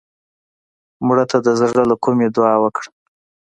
مړه ته د زړه له کومې دعا وکړه